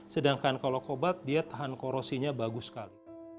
sedangkan kalau kobat dia tahan korosinya bagus sekali